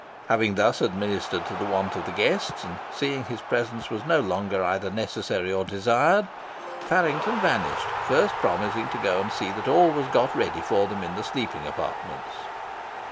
Having thus administered to the wants of the guests, and seeing his presence was no longer either necessary or desired, Faryngton vanished, first promising to go and see that all was got ready for them in the sleeping apartments.